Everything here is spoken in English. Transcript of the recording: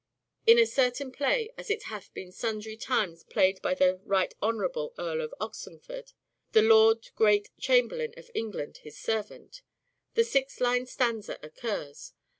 (In a certain play) ' as it hath been sundry times played by the right honourable Earle of Oxenford, the Lord Great Chamberlaine of England, his servant,' the six lined stanza occurs.